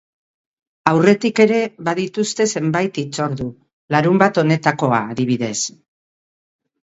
Aurretik ere badituzte zenbait hitzordu, larunbat honetakoa, adibidez.